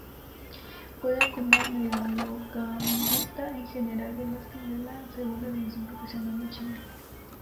Juega como mediocampista en General Velásquez de la Segunda División Profesional de Chile.